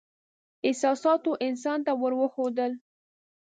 احساساتو انسان ته ور وښودل.